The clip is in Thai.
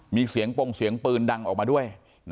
มีเสียงปงเสียงปืนดังออกมาด้วย